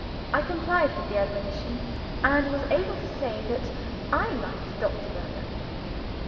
I complied with the admonition, and was able to say that I liked Doctorberger.